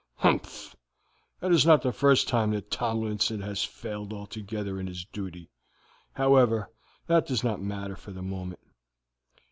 "Humph! That is not the first time that Tomlinson has failed altogether in his duty. However, that does not matter for the moment.